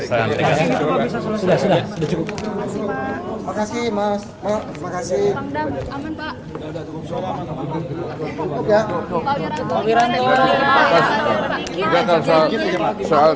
pak wiran pak wiran